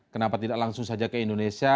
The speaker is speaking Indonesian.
kenapa tidak langsung saja ke indonesia